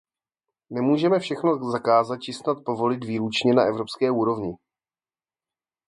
Nemůžeme všechno zakázat či snad povolit výlučně na evropské úrovni.